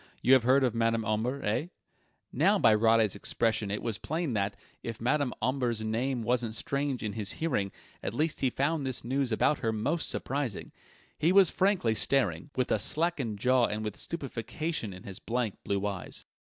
You have heard of Madame Omber, eh?" Now by Roddy's expression it was plain that, if Madame Omber's name wasn't strange in his hearing, at least he found this news about her most surprising. He was frankly staring, with a slackened jaw and with stupefaction in his blank blue eyes.